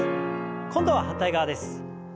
今度は反対側です。